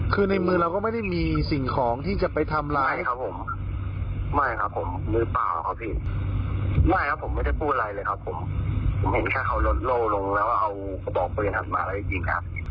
เขาบอกการทำอะไรจริงผมก็เกลียดเงินแล้วพี่ผมไม่คิดว่าเขาจะยิง